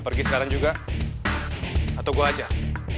pergi sekarang juga atau gue aja